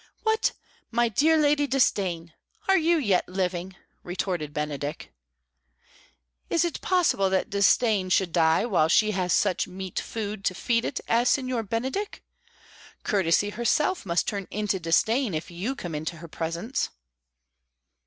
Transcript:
"What, my dear Lady Disdain! Are you yet living?" retorted Benedick. "Is it possible that Disdain should die while she has such meet food to feed it as Signor Benedick? Courtesy herself must turn into disdain if you come into her presence."